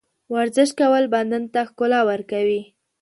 ورزش کول بدن ته ښکلا ورکوي.